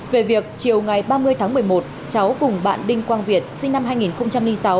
về việc chiều ngày ba mươi tháng một mươi một cháu cùng bạn đinh quang việt sinh năm hai nghìn sáu